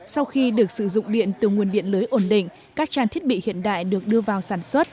sau khi được sử dụng điện từ nguồn điện lưới ổn định các trang thiết bị hiện đại được đưa vào sản xuất